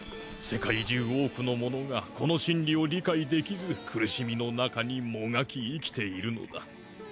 世界中多くの者がこの心理を理解できず苦しみの中にもがき生きているのだ。